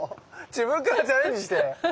自分からチャレンジして！